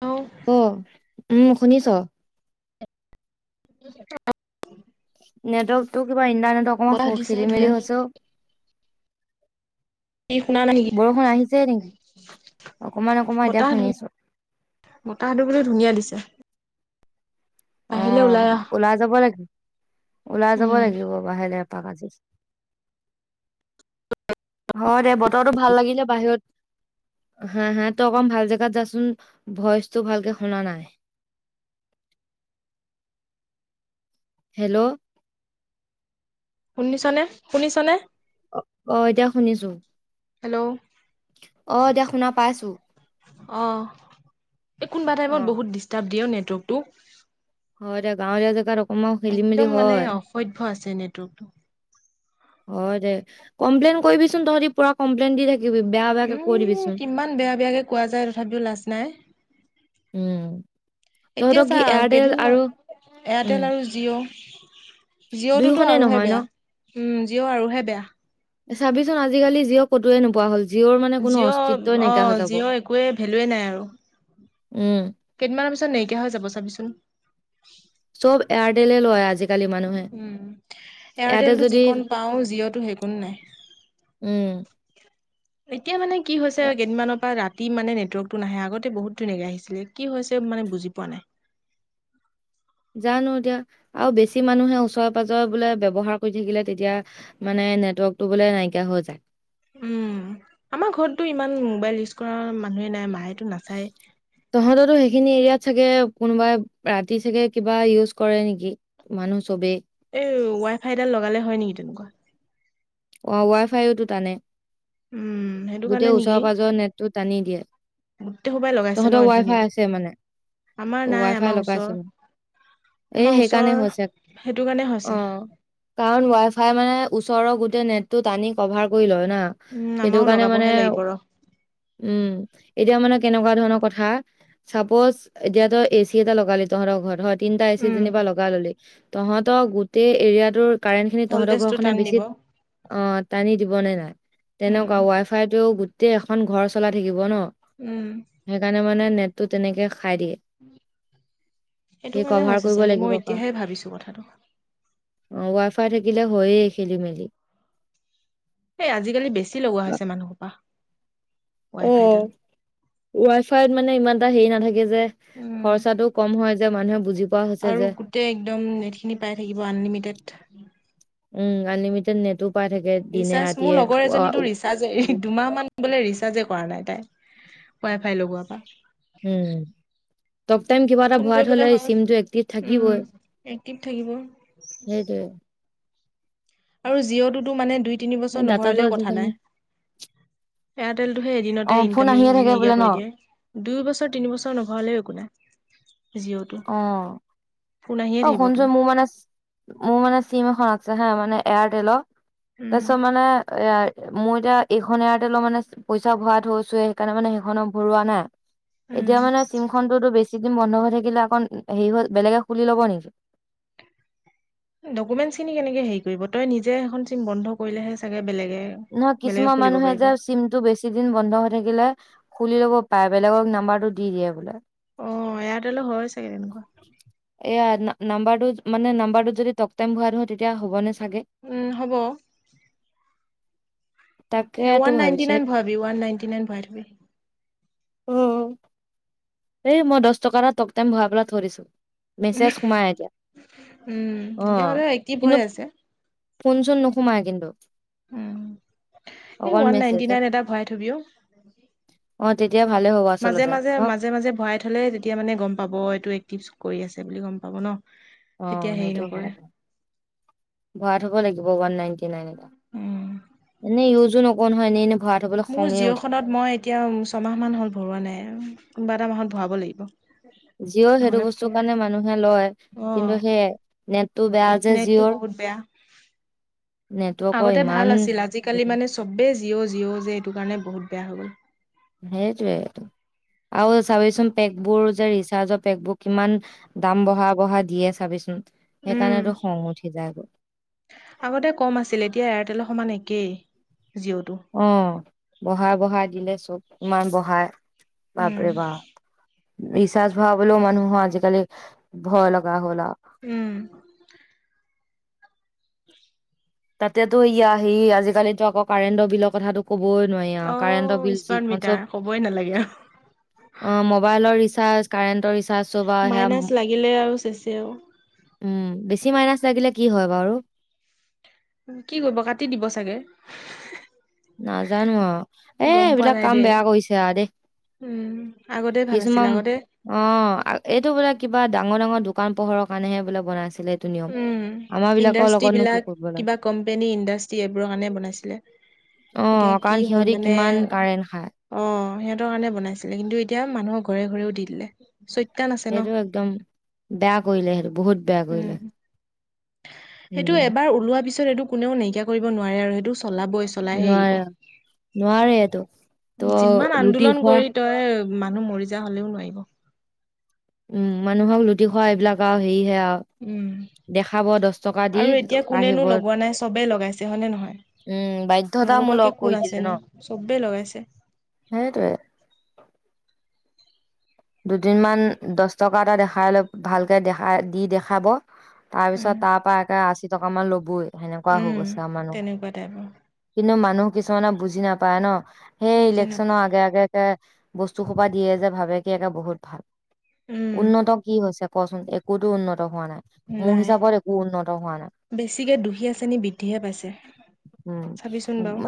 ন, অ উম', - শুনিছ? শুনিছোঁ, অ', নেটৱৰ্কতটো কিবা ইণ্টাৰনেট বতাহ অকমান দিছে খেলি মেলি ধুনীয়া। হৈছোঁ অ', কি শুনা নাই নেকি? বৰষুণ আহিছে নেকি? অকমান অকমান বতাহ এতিয়া ধু শুনিছোঁ বতাহটো বোলে ধুনীয়া দিছে বাহিৰলে অ', আহ। ওলাই যাব লাগিব, ওলাই যাব উম, লাগিব বাহিৰ তাক আজি হয়', দে, বতৰটো ভাল লাগিলে বাহিৰত হা', হা, ' তই অকণ ভাল জেগাত যাচোন ভইচটো ভালকে শুনা নাই [unintelligible] হেল্ল', শুনিছ নে, শুনিছ নে? অ অ এতিয়া শুনিছোঁ। হেল্ল, অ', এতিয়া শুনা পাইছোঁ। এ কোনোবা টাইমত বহুত ডিষ্টাৰ্ব দিয়েও নেটৱৰ্কটো। হয়', এতিয়া গাঁও এৰিয়া যেগা ত একদম মানে অসভ্য আছে নেটৱৰ্কটো। হয়', দে', কমপ্লেইন কৰিবিচোন তহঁতি পুৰা কমপ্লেইন দি থাক- উম', কিমান বেয়া বেয়াকে কোৱা যায় তথাপিওঁ লাজ নাই। উম এতিয়া তহঁতৰ চা কি এয়াৰটেল কেইদিন আৰু উম এয়াৰটেল আৰু জিঅ। জিঅ'টোতো দুয়োখনেই আৰুহে নহয় বেয়া ন উম', জিঅ' আৰু হে বেয়া। চাবিচোন আজিকালি জিঅ' কতোয়ে নোপোৱা হ'ল। জীঅ'ৰ মানে কোনো জিঅ' অস্তিত্বই নাইকিয়া অ' হৈ যাব। জিঅ' একোৱে ভেলুৱে নাই আৰু। উম কেইদিনমানৰ পিছত নাইকিয়া হৈ যাব চাবিচোন। চব এয়াৰটলে লয় আজি- এয়াৰটেলটো যদি যিকণ পাওঁ জিঅ'টো সেই কোন নাই। উম। এতিয়া মানে কি হৈছে এ- কেইদিনমানৰ পৰা ৰাত- তি মানে নেটৱৰ্কটো নাহে আগতে বহুত ধুনীয়াকৈ আহিছিলে কি হৈছে মানে বুজি পোৱা নাই। [inaudible] জানো এতিয়া আৰু বেছি মানুহে ওচৰে পাজৰে বোলে ব্যৱহাৰ কৰি থাকিলে তেতিয়া মানে। নেটৱৰ্কটো বোলে নাইকিয়া হৈ যায়। উম আমাৰ ঘৰতটো ইমান মোবাইল ইউজ কৰা মানুহে নাই মাইত। তহঁতৰো সেইখিনি এৰিয়াত। চাগে কোনোবাই ৰাতি চাগে কিবা ইউজ কৰে নেকি মানুহ চবেই। এই ৱাই ফাইডাল লগালে হয় নেকি তেনেকুৱা। অ ৱাই ফাইও টানে। উম সেইটো গোটেই কাৰণে নেকি ওচৰে পাঁজৰে নেটটো টানি দিয়ে। গোটেই সোপাই লগাইছে ন তহঁতৰ ৱাই এইখিনিত ফাই আছে মানে আমাৰ নাই ৱাই ফাই আমাৰ লগাই ওচৰ আছে মানে। এ আমাৰ ওচৰ সেইকাৰণে হৈছে সেইটো কাৰণে হৈছে অ কাৰণ লৰাছ উৱাফাই মানে ওচৰৰ গোটেই নেটটো টানি কভাৰ কৰি লয়। না উম সেইটো আমাৰো কাৰণে মানে লগাবহে লাগিব ৰ উম এতিয়া মানে কেনেকুৱা ধৰণৰ কথা। চাপ'জ এতিয়া তই এচি এটা লগালি তহঁতৰ ঘৰত হয়। তিনটা এচি উম যেনিবা লগাই ললি তহঁতৰ গোটেই এৰিয়া তোৰ। কাৰেণ্টখিনি তহঁতৰ ভল্টেজটো ঘৰখনে টান দিব বেছি। অ টানি দিবনে নাই উম তেনেকুৱা ৱাই ফাইতো গোটেই এখন ঘৰ চলাই থাকিব ন। উম সেইকাৰণে মানে নেটটো তেনেকে। খাই দিয়ে সেই সেইটো কাৰণে কভাৰ হৈছে কৰিব চাগে মই এতিয়াহে ভাবিছো কথাটো। অ ৱাই ফাই থাকিলে হয়য়ে খেলি মেলি। এই আজিকালি বেছি লগোৱা হৈছে মানুহৰ সোপা অ ৱাই ফাইডাল। ৱাই ফাইত মানে ইমান এটা হেৰি নাথাকে। যে উম খৰচাটো কম হয় যে মানুহে বুজি পোৱা হৈছে আৰু যে। গোটেই একদম নেটখিনি পাই থাকিব আনলিমিটেড। উম আনলিমিতেত নেটৱৰ্কক। ৰিচাৰ্জ মোৰ লগৰ এজনীো ৰিচাৰ্জ দুমাহ মান বোলে ৰিচাৰ্জ। পৰা নাই তাই ৱাই ফাই লগোৱাৰ পা উম। টক টাইম কিবা এটা ফোন ভৰাই কৰিবলৈ থলে হ'ল চিমটো এক্টিভ উম থাকিবই এক্টিভ থাকিব সেইটোৱে। আৰু জিঅ'টোতো মানে দুই সেই তিনিবছৰ ডাটাটো নভৰালেও কথা আজিকালি নাই। এয়াৰটেলটোহে অ এদিনতে ফোন আহিয়ে ইনকামিং থাকে নাইকিয়া বোলে ন কৰি দিয়ে দুই বছৰ তিন বছৰ নভৰা লেও একো নাই। জিঅ'টো অ ফোন আহিয়ে অ থাকিব তোৰ শুনচোন মোৰ মানে মোৰ মানে চিম এখন আ। হা মানে এয়াৰটেলৰ উম তাৰপিছত মানে এ। মই এতিয়া এইখন এয়াৰটেলৰ মানে পইচা ভৰাই থৈছো সেইকাৰণে মানে সেইখনৰত ভৰোৱা নাই। এতিয়া উম মানে চিমখনতোতো বেছি দিন বন্ধ হৈ থাকিলে। খন হেৰি হল বেলেগে খুলি ল'ব নেকি। ডকুমেন্ট খিনি কেনেকে হেৰি কৰিব তই নিজে এখন চিম বন্ধ কৰিলেহে চাগে। বেলেগে নহয় বেলেগে কিছুমান খুলিব মানুহে পাৰিব যে অ চিমটো বেছি দিন বন্ধ হৈ থাকিলে। খুলি ল'ব পাৰে বেলেগক নাম্বাৰটো দি দিয়ে বোলে। এয়াৰটেলৰ হয় চাগে তেনেকুৱা এয়াৰ না। নাম্বাৰটোত মানে নাম্বাৰটোত যদি ট টাইম ভৰাই থৱৌ তেতিয়া হ'বনে। চাগে? উম হ'ব। হে তাকেতো ওৱান নাইনটি ভাবিছো নাইন ভাৰবি ওৱান নাইনটি নাইন ভাৰাই থবি অ এই মই দহ টকা এটা টপ টাইম ভৰা পেলাই থৈইদিছো। মেছেজ সোমাই এতিয়া উম আহ তেতিয়াহ'লে এক্টিভ কিন্তু হৈ আছে ফোনচোন নোসোমায় কিন্তু উ এই অকল ওৱান মেছেজ নাইনটি নাইন এটা ভৰাই থবি অ অ' তেতিয়া ভালে হ'ব মাজে আচলতে মাজে ন? মাজে মাজে ভৰাই থলে তেতিয়া মানে গম পাব এইটো এক্টিভছ কৰি আছে বুলি গম পাব ন অ তেতিয়া হেৰি সেইটো নকৰে হয় ভৰাই থব লাগিব আণ নাইন মানে [unintelligible] উম মানে ইয়জো নক ও নহয় এনেই এনে ই মোৰ জিঅখনত মই এতিয়া ছমাহ মান হ'ল ভৰোৱা নাই কোনোবা এটা মাহত ভৰাব লাগিব [unintelligible] জিঅ' সেইটো নহ'লে বস্তু ফুল কাৰণে মানুহে লয় অ কিন্তু সেইয়া নেটটো বেয়া যে নেটটো জিঅ'ৰ [unintelligible] নেটৱৰ্কৰ আগতে ভাল ইমান আছিল আজিকালি মানে চবেই জিঅ' জিঅ' যে এইটো কাৰণে বহুত বেয়া হৈ গ'ল সেইটোৱেটো আৰু চাবিচোন পেকবোৰ যে ৰিচাৰ্জৰ পেকবোৰ কিমান দাম বঢ়া বঢ়া দিয়ে চাবিচোন উম সেইকাৰণেতো খং উঠি যায়গৈ আগতে কম আছিল এতিয়া এয়াৰটেল সমান একেই জিঅ'টো। অ বঢ়াই বঢ়াই দিলে চব ইমান বঢ়াই উম ৰিচাৰ্চ ভৰাবলেও মানুহৰ আজিকালি ভয় লগা হ'ল আও উম [unintelligible] তাতেতো ইয়া আহি আজিকালিতো আকৌ কাৰেণ্টৰ বিলৰ কথাটো কব ই নোৱাৰি আওঁ অ' কাৰেণ্ট বিল স্মাৰ্ট যিখন মিটাৰ চব ক'বই নালাগে আৰু অ মবাইলৰ ৰিচাৰ্জ কাৰেণ্টৰ ৰিচাৰ্জ চব আৰু সেয়া মাইনাছ লাগিলে আৰু চেচেআও উম বেছি মাইনাচ লাগিলে কি হয় বাৰু কি কৰিব কাটি দিব চাগে নাজানো এ গম পোৱা এইবিলাক নাই কাম দেই। বেয়া কৰিছে আ দেই উম, আগতে ভাল আছিল কিছুমান আগতে অ এইটো বোলে কিবাঙৰ ডাঙৰ দোকান পোহৰ কাৰণে বোলে বনাইছে ইণ্ডাষ্ট্ৰ কি বিলাক কৰিব লাগে কিবা কোম্পেনী ইণ্ডাষ্ট্ৰি এইবোৰৰ কাৰণে বনাইছিলে অ এতিয়া কি কাৰণ হ'ল সিহঁতি মানে কিমান কাৰেণ্ট খায় অ সিহঁতৰ কাৰণে বনাইছিলে কিন্তু এতিয়া মানুহক ঘৰে ঘৰেও দি দিলে চৈতান আছে ন সেইটো একদম বেয়া কৰিলে সেইটো বহুত বেয়া উম কৰিলে সেইটো উম এবাৰ ওলোৱা পিছত সেইটো কোনেও নাইকিয়া কৰিব নোৱাৰে আৰু সেইটো চলাবই চলাইহে নোৱাৰে নোৱাৰে এইটো ত' এৰিব যিমান লুটি আন্দোলন খোৱা কৰি তই মানুহ মৰি যা হলেও নোৱাৰিব উম মানুহক লুটি খোৱা এইবিলাক আৰু হেৰিহে আৰু উম দেখাব দহ টকা দি আৰু এতিয়া কোনেনো আহিব লগোৱা নাই চবেই লগাইছে হয়নে নহয় উম নলগোৱাকে বাধ্যতামূলক কোন কৰি দিলে আছেনো ন চবেই লগাইছে সেইটোৱে [unintelligible] দুদিনমান দহ টকা এটা দেখাইল ভালকে দেখা দি দেখাব তাৰ পিছত উম তাৰ পৰা একে আশী টকা মান ল'বই সেনেকুৱা হৈ উম গৈছে আৰু মানুহৰ তেনেকুৱা টাইপৰ কিন্তু মান মানুহ কিছুমানে বুজি নাপায় ন সেই বুজি ইলেকশ্যনৰ নাপায় আগে আগে বস্তু সোপা দিয়ে যে ভাবে কি একে বহুত ভাল উম উন্নত কি হৈছে কচোন একোতো উন্নত হোৱা নাই মোৰ নাই হিচাপত একো উন্নত হোৱা নাই বেছিকে দুখীয়া শ্ৰেণী বৃদ্ধিহে পাইছে চাবিচোন উম বাৰু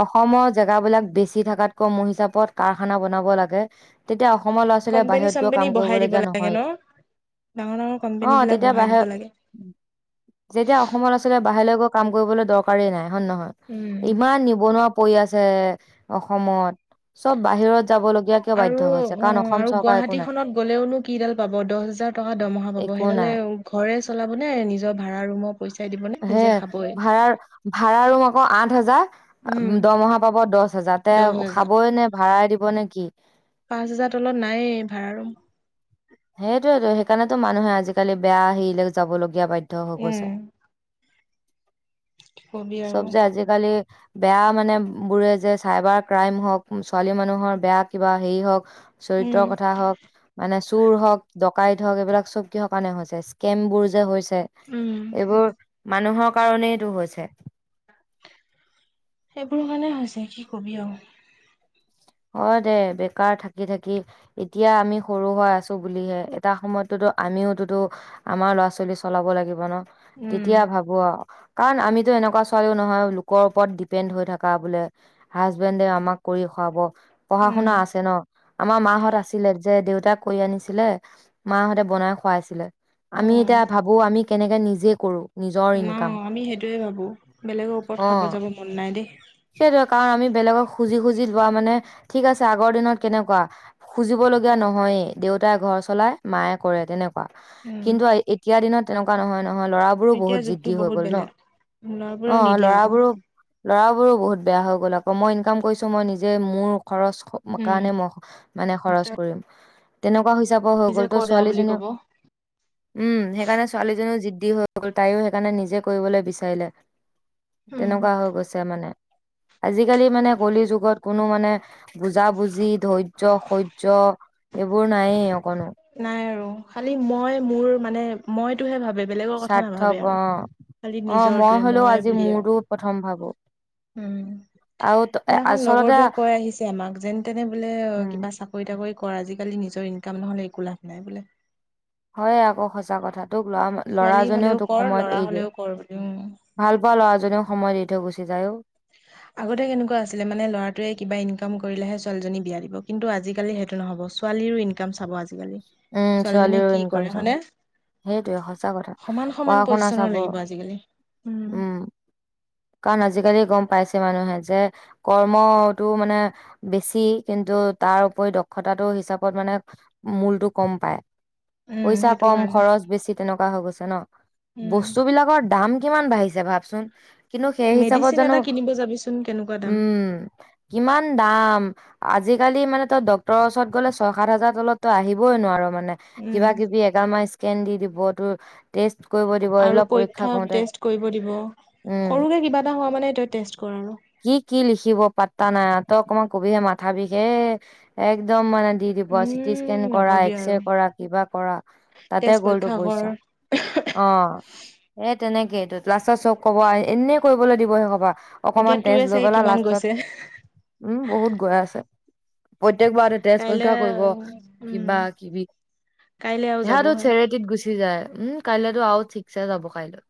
অ অসমৰ জেগাবিলাক বেছি থকাতকৈ মোৰ হিচাপত কাৰখানা বনাব লাগে তেতিয়া অসমৰ ল'ৰা ছোৱালীয়ে কোম্পেনী বাহিৰত গৈ চম্পেনী কাম বঢ়াই দিব কৰিবলগীয়া লাগে নহয় ন ডাঙৰ ডাঙৰ অ কোম্পানী বিলাক তেতিয়া বহাই দিব বাহিৰ লাগে। যেতিয়া অসমত আছিলে বাহিৰলৈগৈ কাম কৰিবলৈ দৰকাৰেই নাই হয় নে নহয় উম ইমান নিবনুৱা পৰি আছে অসমত চব বাহিৰত যাবলগীয়া কিয় আৰু অ বাধ্য হৈছে কাৰণ অসম আৰু চৰকাৰ একো গুৱাহাটী নাই খনত গ'লেওনো কিডাল পাব দহ হাজাৰ টকা দৰমহা পাব একো সেইডালে নাই ঘৰে চলাবনে নিজৰ ভাড়া ৰুমৰ পইচাই দিবনে হে নিজে খাবই ভাড়া ভাড়া ৰুম আকৌ আঠ হাজাৰ উম দৰমহা পাব দহ হাজাৰ তে দহ হেজাৰ খাবই নে ভাড়াই দিব নে কি পাঁচ হাজাৰ তলত নাএই ভাড়া ৰুম সেইটোয়েতটো সেইকাৰণেতো মানুহে আজিকালি বেয়া হেৰিলে যাবলগীয়া বাই হৈ গৈছে উম কি কবি আৰু চব যে আজিকালি বেয়া মানে বোৰে যে চাইবাৰ ক্ৰাইম হওক ছোৱালী মানুহৰ বেয়া কিবা হেৰি হওক উম চৰিত্ৰৰ কথা হওক মানে ডকাই হক এইবিলাক চব কিহৰ কাৰে হৈছে স্কেম বোৰ যে উম এইবোৰ মানুহৰ কাৰনেইটো হৈছে সেইবোৰৰ কাৰণে হৈছে কি কবি আৰু অ দে বেকাৰ থাকি থাকি এতিয়া আমি সৰু হৈ আছো বুলিহে এটা সময়তো আমিওতোতো আমাৰ ল'ৰা ছোৱালী চলাব লাগিব ন উম তেতিয়া ভাবো আৰু কাৰণ আমিতো এনেকুৱা ছোৱালীও নহয় লোকৰ ওপৰত ডিপেণ্ড হৈ থকা বোলে হাজবেণ্ডে আমাক কৰি খুৱাব পঢ়া উম শুনা আছে ন আমাৰ মাহঁত আছিলে যে দেউতা কৰি আনিছিলে মাহঁতে বনাই খুৱাইছিলে অ আমি এতিয়া ভাবো আমি কেনেকে নিজে কৰোঁ ন আমি সেইটোয়ে ভাবো বেলেগৰ ওপৰত খাব অ যাব মন নাই দেই সেইটোৱে কাৰণ আমি বেলেগক খুজি খুজি লোৱা মানে ঠিক আছে আগৰ দিনত কেনেকুৱা খুজিব লগগীয়া নহয়ে দেউতাই ঘৰ চলাই মায়ে কৰে তেনেকুৱা উম কিন্তু এতিয়া দিনত তেনেকুৱা নহয় ন নহয় লৰাবোৰো এতিয়া বহুত যুগটো জিদ্দি হৈ বহুত গ'ল ন বেলেগ অ ল'ৰাবোৰেও নিদিয়ে আকৌ। লৰাবোৰো ল'ৰাবোৰো বহুত বেয়া হৈ গ'ল আকৌ মই ইনকাম কৰিছো মই নিজে মোৰ খৰচ উম কাৰণে মই মানে খৰচ তই কৰিম কোৱা হিচাপ হৈ নিজে গ'ল ত ক যা বুলি ছোৱালীজনীও কব উম সেই কাৰণে ছোৱালীজনীও জিদ দি হৈ গল তাইও সেইকাৰণে নিজে কৰিবলৈ বিচাৰিলে উম। তেনেকুৱা হৈ গৈছে মানে আজিকালি মানে কলি যুগত কোনো মানে বুজাবুজি ধৈৰ্য শ্য এইবোৰ নাই অকনো নাই আৰু খালি মই মোৰ মানে মইতোহে ভাব ভ বেলেগৰ কথা স্বাৰ্থপ নাভাবে অ আৰু খালি অ নিজৰটোৱে হলেও মই আজি বুলি আওঁ মোৰতো প্ৰথম ভাবো উম আৰু ত- এ সেইদিনাখন লগৰ আচলতে টোৱে কৈ আহিছে আমাক যেন তেনে বোলে অ উম কিবা চাকৰি তাকৰি আজিকালি নিজৰ ইনকাম নহলে একো লাভ নাই বোলে হয়ে আকৌ সঁচা কথাত তোক লৰা ছোৱালী লৰাজনেও হলেও তোক কৰ সময়ত ল'ৰা এৰি দিয়ে হলেও কৰ বুলি উম। ভাল পোৱা ল'ৰা জননেও সময় দি থৈ গুচি যায়ও উ আগতে কেনেকুৱা আছিলে মানে ল'ৰাটোৱে কিবা ইনকাম কৰিলেহে ছোৱালীজনী বিয়া দিব কিন্তু আজিকালি সেইটো নহ'ব ছোৱা লিৰো ইনকাম চাব আজিকালি উম ছোৱালীজনীয়ে ছোৱালীৰো কি ইনকাম কৰে চাব হয়নে? সেইটোয়ে সঁচা কথা সমান সমান পঢ়া শুনা পজিচনৰ চাব লাগিব আজিকালি। উম কাৰণ আজিকালি গম পাইছে মানুহে যে কৰ্মতটো মানে বেছি কিন্তু তাৰ উপৰি দক্ষতাটো হিচাপত মানে মূলতটো কম পায়। উম পইচা সেইটো কম কাৰণে খৰচ বেছি তেনেকুৱা হৈ গৈছে ন উম বস্তু বিলাকৰ দাম কি? কিমান বাঢ়িছে ভাবচোন কিন্তু সেই হিচাপত মেডিচিন জানো এটা কিনিব যাবিচোন কেনেকুৱা দাম উম ইমান দাম? আজিকালি মানে তই ডক্তৰৰ ওচৰত গ'লে ছয় সাত হাজাৰ তলত তই আহিবই নোৱাৰ মানে কে উম কিবা কিবি এগাম স্কেন দি দিব ত আৰু পৰীক্ষা টেষ্টত কৰিব দিব উম সৰুকে কিবা এটা হোৱা মানে তই টেষ্টত কি কি লিখিব পাতা নাই তই অকণমান কবিহে মাথা বিষ হে একদম মানে দি দিব চিটি স্কেন উম কৰা নকবি আৰু এক্সৰে কৰা কিবা কৰা তাতে গ'ল আগৰ অহ সে তেনেকেই লাষ্টৰ চব কবা এনে কৰিবলৈ দিব সেই কব এতিয়া অকমান তেজ তোৰে লৈ চাগে পেলে কিমান লাষ্টত গৈছে উম বহুত ঘূৰাই আছে প্ৰ প্ৰত্যেকবাৰতে তেজ কাইলে পৰীক্ষা কৰিব উম কিবা কিবি কাইলে আৰু ইয়াতো যাবহে চেৰেটিত গুচি যায় কাইলেতো আও ঠিকছে যাব কাইলৈ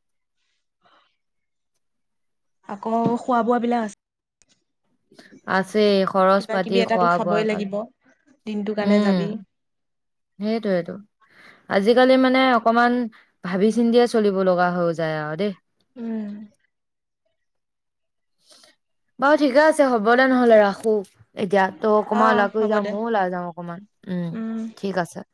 আকৌ খোৱা বোৱা বিলাক আছে আছেই খৰচ কিবা পাতি কিবি এটাটো খোৱা বোৱা খাবই কাল লাগিব। দিনটো কাৰণে যাবি উম সেইটোয়েতো আজিকালি মানে অকমান ভাবি চিন্তিয়ে চলিব লগা হৈ যায় আৰু দেই উম বাৰু ঠিকে আছে হ'ব দে নহ'লে ৰাখো। এতিয়া তো অ অকমান ওলাই ফুৰি হ'ব যাও দে ময়ো ওলাই যাও অকমান উম ঠিক আছে।